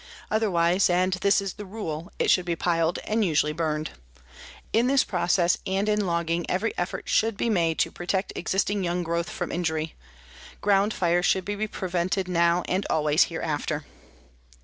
Otherwise, and this is the rule, it should be piled and usually burned. In this process and in logging every effort should be made to protect existing young growth from injury. Ground fires should be prevented now and always hereafter.